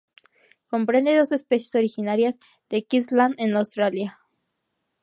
Comprende dos especies originarias de Queensland en Australia.